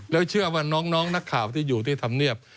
แล้วเชื่อว่าน้องนักข่าวที่อยู่ที่ธรรมเนียบ